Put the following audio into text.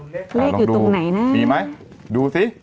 เลขอยู่ตรงไหนนะมีไหมดูสิ